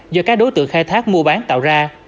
do các đối tượng khai thác mua bán tạo ra